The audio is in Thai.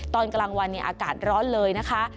ตอนกลางวันเนี่ยอากาศร้อนเลยนะคะ